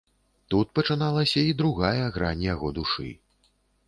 Тут пачыналася і другая грань яго душы.